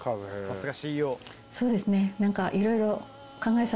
そうですね何か。